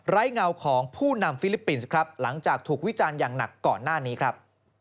เงาของผู้นำฟิลิปปินส์ครับหลังจากถูกวิจารณ์อย่างหนักก่อนหน้านี้ครับ